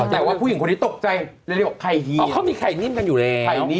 แต่ว่าผู้หญิงคนที่ตกใจเรียกว่าไข่หญิน